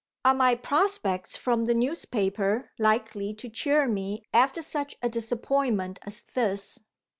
Are my prospects from the newspaper likely to cheer me after such a disappointment as this?